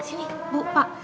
sini bu pak